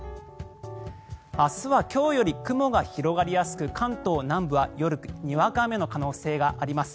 明日は今日より雲が広がりやすく関東南部は夜にわか雨の可能性があります。